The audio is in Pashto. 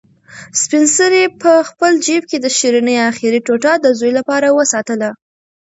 سپین سرې په خپل جېب کې د شیرني اخري ټوټه د زوی لپاره وساتله.